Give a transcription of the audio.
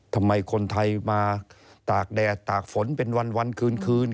ทำไมคนไทยมาตากแดดตากฝนเป็นวันคืนคืน